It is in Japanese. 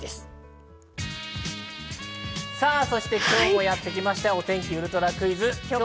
今日もやってきました、お天気ウルトラクイズ。